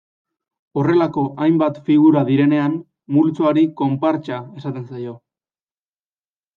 Horrelako hainbat figura direnean, multzoari konpartsa esaten zaio.